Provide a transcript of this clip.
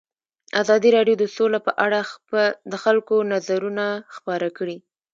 ازادي راډیو د سوله په اړه د خلکو نظرونه خپاره کړي.